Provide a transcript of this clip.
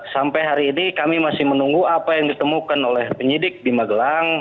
sampai hari ini kami masih menunggu apa yang ditemukan oleh penyidik di magelang